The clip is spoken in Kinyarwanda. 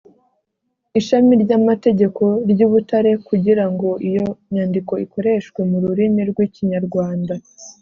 ishami ry’amategeko ry’i butare kugira ngo iyo nyandiko ikoreshwe mu rurimi rw’ikinyarwanda.